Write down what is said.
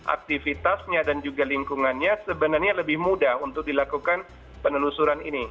aktivitasnya dan juga lingkungannya sebenarnya lebih mudah untuk dilakukan penelusuran ini